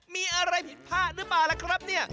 มีอะไรผิดพลาดหรือเปล่าล่ะครับเนี่ย